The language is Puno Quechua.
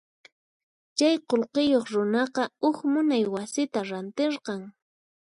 Chay qullqiyuq runaqa huk munay wasita rantirqan.